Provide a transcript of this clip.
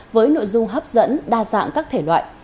với nội dung hấp dẫn đa dạng các thể loại